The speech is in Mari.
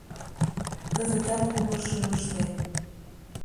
Кызытат уло шӱмыштем.